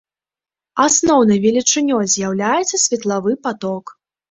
Асноўнай велічынёй з'яўляецца светлавы паток.